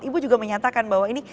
ibu juga menyatakan bahwa ini